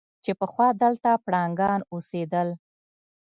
چې پخوا دلته پړانګان اوسېدل.